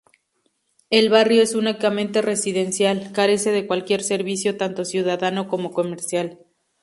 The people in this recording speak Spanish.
El barrio es únicamente residencial, carece de cualquier servicio tanto ciudadano como comercial.